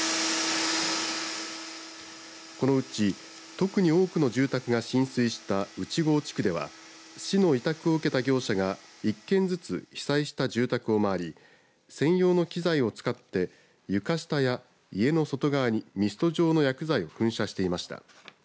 このうち特に多くの住宅が浸水した内郷地区では市の委託を受けた業者が一件ずつ被災した住宅をまわり専用の機材を使って床下や家の外側にミスト状の薬剤を噴射していました。